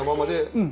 うん。